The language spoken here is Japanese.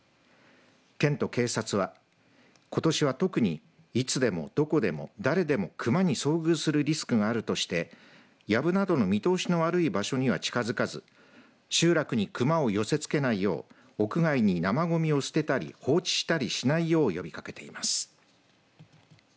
県と警察はことしは特にいつでも、どこでも、誰でも熊に遭遇するリスクがあるとしてやぶなどの見通しの悪い場所には近づかず集落に熊を寄せ付けないよう屋外に生ゴミを捨てたり放置したりしないよう呼びかけています。